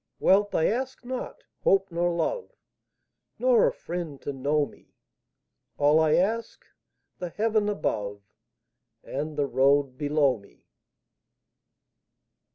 Wealth I ask not, hope nor love, Nor a friend to know me; All I ask, the heaven above And the road below me.